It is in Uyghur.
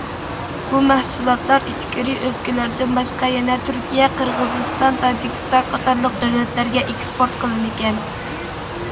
بۇ مەھسۇلاتلار ئىچكىرى ئۆلكىلەردىن باشقا يەنە تۈركىيە، قىرغىزىستان، تاجىكىستان قاتارلىق دۆلەتلەرگە ئېكسپورت قىلىنىدىكەن.